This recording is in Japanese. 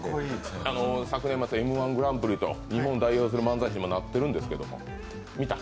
昨年末、「Ｍ−１グランプリ」と日本代表する漫才師となってるんですけども、見た？